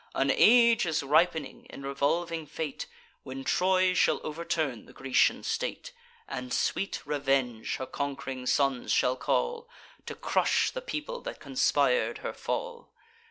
An age is ripening in revolving fate When Troy shall overturn the Grecian state, And sweet revenge her conqu'ring sons shall call, To crush the people that conspir'd her fall.